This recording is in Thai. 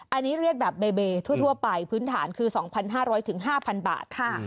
อันนี้เรียกแบบเบย์ทั่วไปพื้นฐานคือ๒๕๐๐๕๐๐บาท